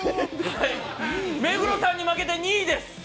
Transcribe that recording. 目黒さんに負けて２位です。